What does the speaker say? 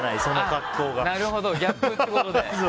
なるほど、ギャップってことで。